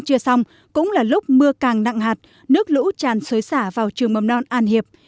chưa xong cũng là lúc mưa càng nặng hạt nước lũ tràn xới xả vào trường mầm non an hiệp